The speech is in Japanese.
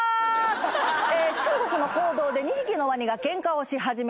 中国の公道で２匹のワニがケンカをし始めました。